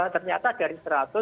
ternyata dari seratus